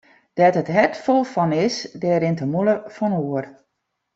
Dêr't it hert fol fan is, dêr rint de mûle fan oer.